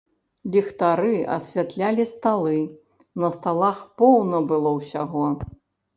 Ліхтары асвятлялі сталы, на сталах поўна было ўсяго.